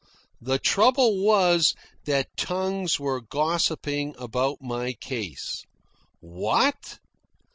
The trouble was that tongues were gossiping about my case. What!